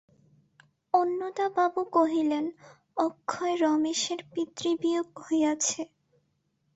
অন্নদাবাবু কহিলেন, অক্ষয়, রমেশের পিতৃবিয়োগ হইয়াছে।